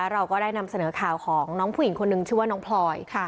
เราก็ได้นำเสนอข่าวของน้องผู้หญิงคนนึงชื่อว่าน้องพลอย